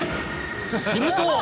すると。